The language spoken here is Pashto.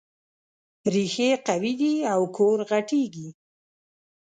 ريښې قوي دي او کور غټېږي.